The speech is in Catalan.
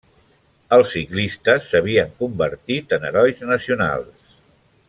Els ciclistes s'havien convertit en herois nacionals.